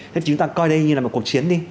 thế chúng ta coi đây như là một cuộc chiến đi